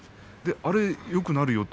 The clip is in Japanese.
あれ、よくなるよと。